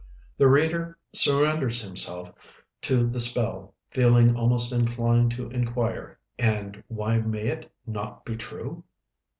The reader surrenders himself to the spell, feeling almost inclined to inquire, "And why may it not be true?"